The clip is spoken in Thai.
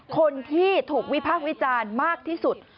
คนที่ถูกวิพากษ์วิจารณ์มากที่สุด